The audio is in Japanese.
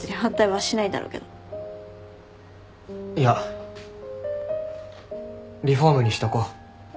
いやリフォームにしとこう。